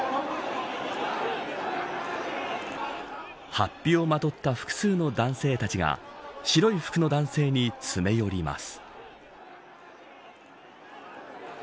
法被をまとった複数の男性たちが白い服の男性に詰め寄ります。